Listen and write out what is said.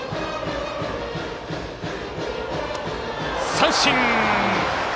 三振！